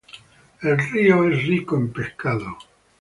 El río es rico en pescado.